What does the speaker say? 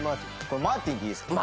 これマーティンでいいですか？